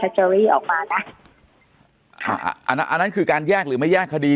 อเจมส์อันนั้นคือการแยกหรือไม่แยกคดี